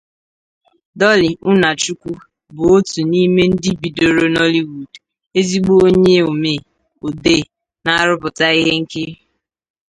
Dolly Unachukwu bu otu n’ime ndi bidoro Nollywood, ezigbo onye omee, odee, na-arụpụta ihe nkiri.